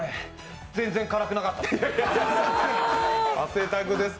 全然辛くなかったです。